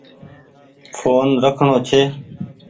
ڦون رکڻو ڇي۔